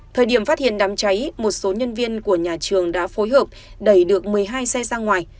thời điểm phát hiện đám cháy một số nhân viên của nhà trường đã phối hợp đẩy được một mươi hai xe ra ngoài